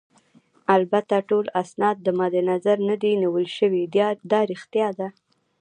البته ټول اسناد مدنظر نه دي نیول شوي، دا ريښتیا ده.